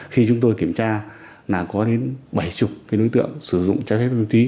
khi chúng tôi kiểm tra là có đến bảy mươi đối tượng sử dụng chất ma túy